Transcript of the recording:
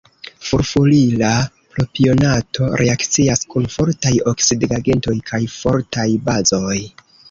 Furfurila propionato reakcias kun fortaj oksidigagentoj kaj fortaj bazoj.